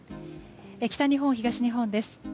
北日本、東日本です。